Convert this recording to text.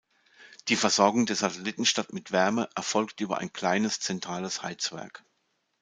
Die Versorgung der Satellitenstadt mit Wärme erfolgt über ein kleines zentrales Heizwerk.